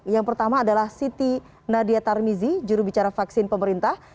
yang pertama adalah siti nadia tarmizi jurubicara vaksin pemerintah